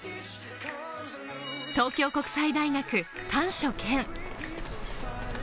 東京国際大学・丹所健。